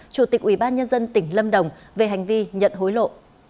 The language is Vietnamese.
chủ tịch ủy ban nhân dân tỉnh lâm đồng về hành vi nhận hối lộ